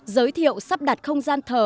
giới thiệu sắp đặt không gian thờ